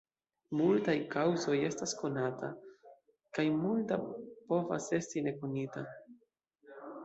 Multaj kaŭzoj estas konata, kaj multa povas esti ne konita.